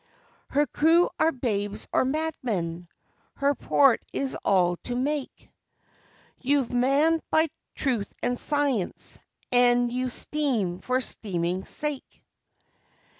Her crew are babes or madmen? Her port is all to make? You're manned by Truth and Science, and you steam for steaming's sake?